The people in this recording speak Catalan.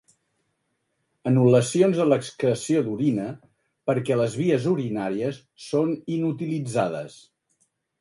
Anul·lacions de l'excreció d'orina perquè les vies urinàries són inutilitzades.